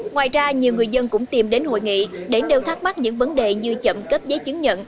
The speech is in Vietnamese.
ngoài ra nhiều người dân cũng tìm đến hội nghị để nêu thắc mắc những vấn đề như chậm cấp giấy chứng nhận